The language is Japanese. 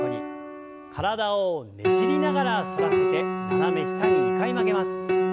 体をねじりながら反らせて斜め下に２回曲げます。